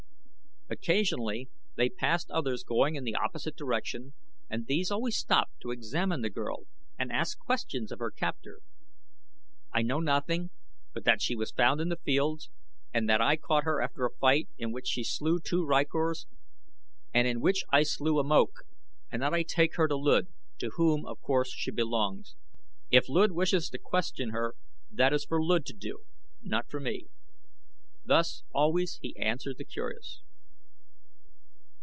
Occasionally they passed others going in the opposite direction and these always stopped to examine the girl and ask questions of her captor. "I know nothing but that she was found in the fields and that I caught her after a fight in which she slew two rykors and in which I slew a Moak, and that I take her to Luud, to whom, of course, she belongs. If Luud wishes to question her that is for Luud to do not for me." Thus always he answered the curious.